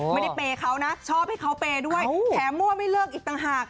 ไม่ได้เปย์เขานะชอบให้เขาเปย์ด้วยแถมมั่วไม่เลิกอีกต่างหาก